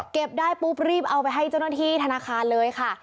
ได้ปุ๊บรีบเอาไปให้เจ้าหน้าที่ธนาคารเลยค่ะ